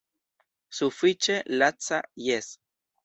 Sufiĉe laca, jes.